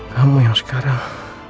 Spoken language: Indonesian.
kamu yang sekarang